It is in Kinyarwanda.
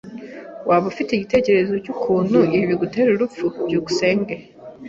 Waba ufite igitekerezo cyukuntu ibi bigutera ubupfu? byukusenge